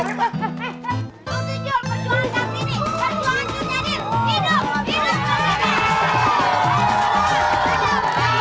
tungguin jual perjuangan kali ini